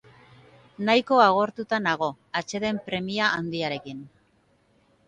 Nahiko agortuta nago, atseden premia handiarekin.